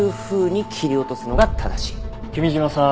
君嶋さん